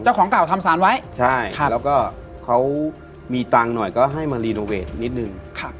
เจ้าของเก่าทำสารไว้ใช่ครับแล้วก็เขามีตังค์หน่อยก็ให้มานิดหนึ่งครับ